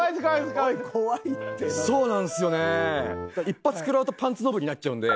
一発食らうとパンツノブになっちゃうんで。